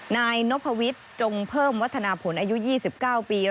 นายนพวิทย์จงเพิ่มวัฒนาผลอายุ๒๙ปี